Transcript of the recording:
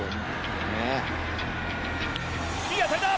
いい当たりだ！